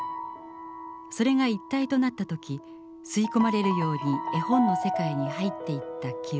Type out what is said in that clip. それが一体となった時吸い込まれるように絵本の世界に入っていった記憶。